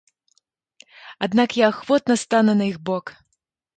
Аднак я ахвотна стану на іх бок!